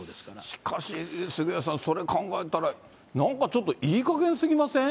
しかし、杉上さん、それ考えたら、なんかちょっといいかげん過ぎません？